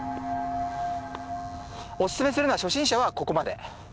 オススメするのは初心者はここまで。